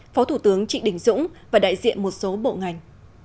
phó thủ tướng trịnh đình dũng và đại diện một số bộ ngành